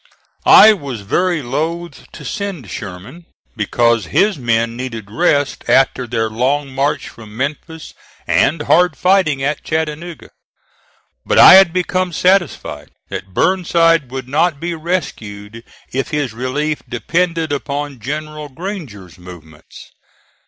I was very loath to send Sherman, because his men needed rest after their long march from Memphis and hard fighting at Chattanooga. But I had become satisfied that Burnside would not be rescued if his relief depended upon General Granger's movements.